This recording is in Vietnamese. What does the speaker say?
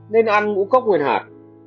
nên ăn ngũ cốc nguyên hạt